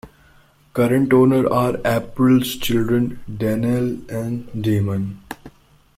Current owners are April's children Danielle and Damon.